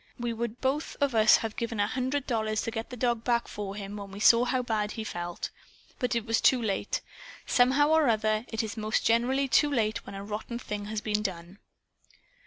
We would both of us have given a hundred dollars to get the dog back for him, when we saw how bad he felt. But it was too late. Somehow or other it is most generally too late when a rotten thing has been done.